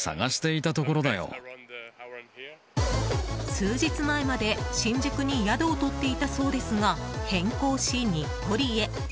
数日前まで新宿に宿をとっていたそうですが変更し日暮里へ。